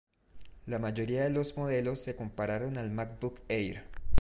La mayoría de modelos se compararon al MacBook Air.